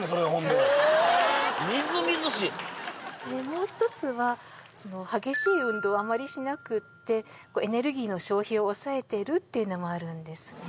もうひとつは激しい運動をあまりしなくってエネルギーの消費を抑えてるっていうのもあるんですね